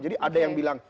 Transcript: jadi ada yang bilang